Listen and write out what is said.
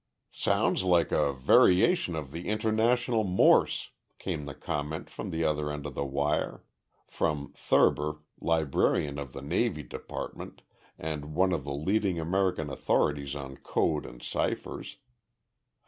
"Sounds like a variation of the International Morse," came the comment from the other end of the wire from Thurber, librarian of the Navy Department and one of the leading American authorities on code and ciphers.